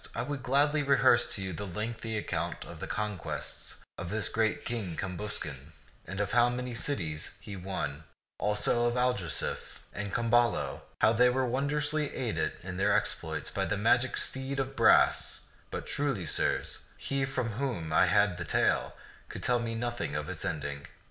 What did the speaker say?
I would gladly rehearse to you a lengthy account of the conquests of this great King Cambuscan, of how many cities he won ; also of Algarsife and Camballo, how they were wondrously aided in their exploits by the magic steed of brass ; but, truly, sirs, he from whom I had the tale could tell me nothing of its ending.